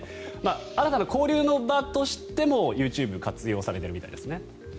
新たな交流の場としてもＹｏｕＴｕｂｅを活用されているみたいですね。